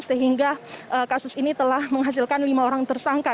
sehingga kasus ini telah menghasilkan lima orang tersangka